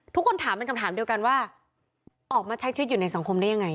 ทุกคนถามเป็นคำถามเดียวกันว่าออกมาใช้ชีวิตอยู่ในสังคมได้ยังไง